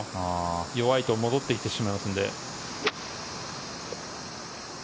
弱いと戻ってきてしまいますので。